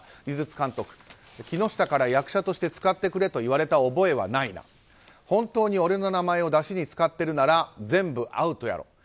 井筒監督、木下から役者として使ってくれと言われた覚えはないが本当に俺の名前をだしに使われたなら全部アウトやろ。